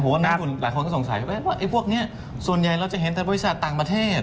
ผมว่านักทุนหลายคนก็สงสัยว่าไอ้พวกนี้ส่วนใหญ่เราจะเห็นแต่บริษัทต่างประเทศ